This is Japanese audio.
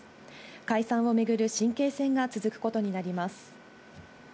解散を巡る神経戦が続くことになります。